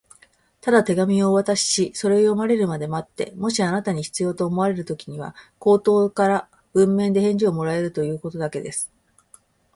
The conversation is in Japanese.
「ただ手紙をお渡しし、それを読まれるまで待って、もしあなたに必要と思われるときには、口頭か文面で返事をもちかえるということだけです」